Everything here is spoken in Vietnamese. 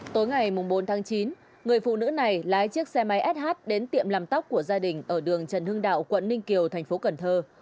tối ngày bốn tháng chín người phụ nữ này lái chiếc xe máy sh đến tiệm làm tóc của gia đình ở đường trần hưng đạo quận ninh kiều thành phố cần thơ